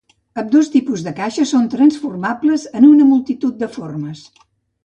Ambdós tipus de caixa són transformables en una multitud de formes.